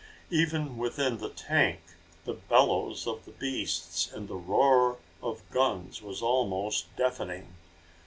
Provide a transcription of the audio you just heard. Even within the tank the bellows of the beasts and the roar of guns was almost deafening.